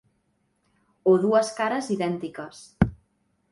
O dues cares idèntiques.